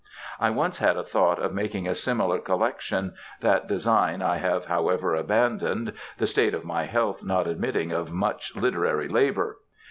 I once had a thought of making a similar collection, that design I have however abandoned, the state of my health not admitting of much literary labour.